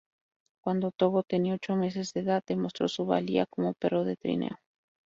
Cuando Togo tenía ocho meses de edad, demostró su valía como perro de trineo.